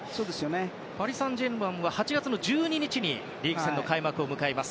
パリ・サンジェルマンは８月１２日にリーグ戦の開幕を迎えます。